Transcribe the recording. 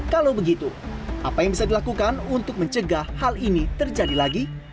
kalau begitu apa yang bisa dilakukan untuk mencegah hal ini terjadi lagi